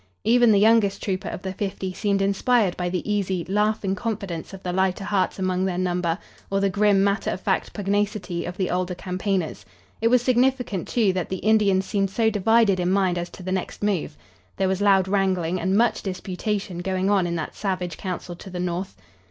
Even the youngest trooper of the fifty seemed inspired by the easy, laughing confidence of the lighter hearts among their number, or the grim, matter of fact pugnacity of the older campaigners. It was significant, too, that the Indians seemed so divided in mind as to the next move. There was loud wrangling and much disputation going on in that savage council to the north.